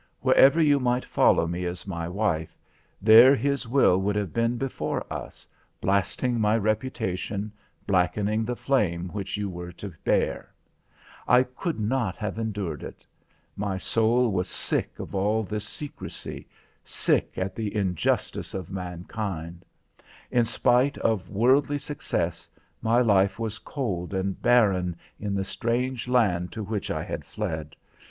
Wherever you might follow me as my wife, there his will would have been before us, blasting my reputation, blackening the flame which you were to bear. I could not have endured it. My soul was sick of all this secrecy, sick at the injustice of mankind. In spite of worldly success, my life was cold and barren in the strange land to which I had fled.